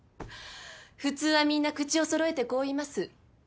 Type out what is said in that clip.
普通はみんな口を揃えてこう言います。